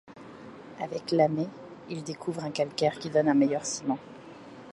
Avec Lamé, il découvre un calcaire qui donne un meilleur ciment.